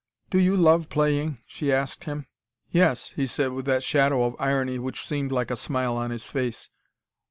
"Do you love playing?" she asked him. "Yes," he said, with that shadow of irony which seemed like a smile on his face.